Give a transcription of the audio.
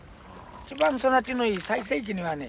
一番育ちのいい最盛期にはね